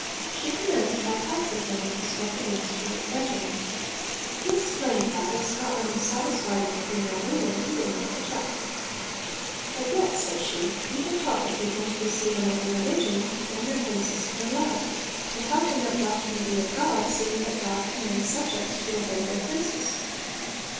She commenced by taxing him with his book against her 'regimen.' He explained that, if Scotland was satisfied with a female ruler, he would not object. 'But yet,' said she, 'ye have taught the people to receive another religion than their Princes can allow: And how can that doctrine be of God, seeing that God commands subjects to obey their Princes?'